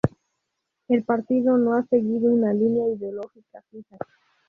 El partido no ha seguido una línea ideológica fija.